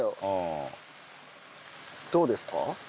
どうですか？